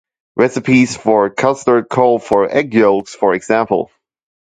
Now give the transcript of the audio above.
Recipes for custard call for egg yolks, for example.